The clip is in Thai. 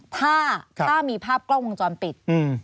ถ้ามีภาพกล้องวงจรปิด